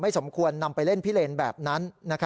สมควรนำไปเล่นพิเลนแบบนั้น